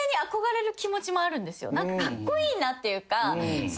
何かカッコイイなっていうか。